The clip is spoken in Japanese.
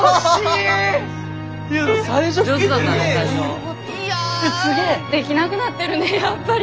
いやできなくなってるねやっぱり。